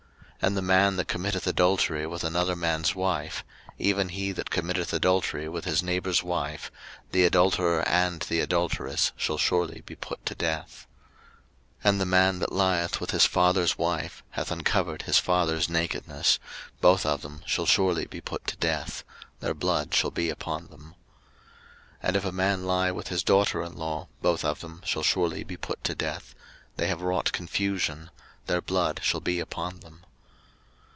03:020:010 And the man that committeth adultery with another man's wife, even he that committeth adultery with his neighbour's wife, the adulterer and the adulteress shall surely be put to death. 03:020:011 And the man that lieth with his father's wife hath uncovered his father's nakedness: both of them shall surely be put to death; their blood shall be upon them. 03:020:012 And if a man lie with his daughter in law, both of them shall surely be put to death: they have wrought confusion; their blood shall be upon them.